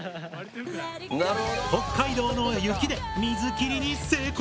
北海道の雪で水切りに成功。